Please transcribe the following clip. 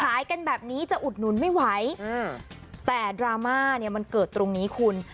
ขายกันแบบนี้จะอุดหนุนไม่ไหวแต่ดราม่าเนี่ยมันเกิดตรงนี้คุณ